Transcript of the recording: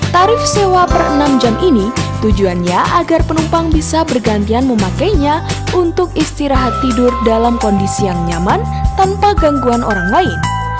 tarif sewa per enam jam ini tujuannya agar penumpang bisa bergantian memakainya untuk istirahat tidur dalam kondisi yang nyaman tanpa gangguan orang lain